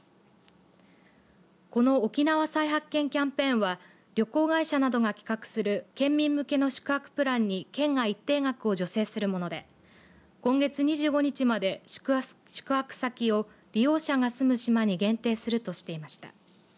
このおきなわ彩発見キャンペーンは旅行会社などが企画する県民向けの宿泊プランに県が一定額を助成するもので今月２５日まで宿泊先を利用者が住む島に限定するとしていました。